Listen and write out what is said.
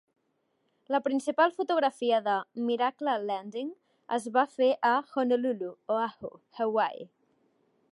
La principal fotografia de "Miracle Landing" es va fer a Honolulu, Oahu, Hawaii.